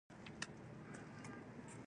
هغوی ژمنه کړې ده پر خاوره به یرغل نه کوي.